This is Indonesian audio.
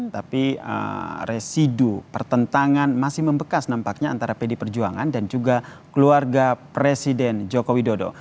tapi residu pertentangan masih membekas nampaknya antara pd perjuangan dan juga keluarga presiden joko widodo